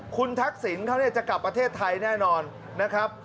คุณทักษิณเขาจะกลับประเทศไทยแน่นอนนะครับ